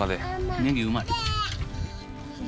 ネギうまい。